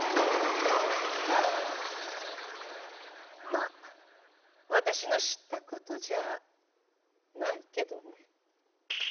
まっ私の知ったことじゃないけどね。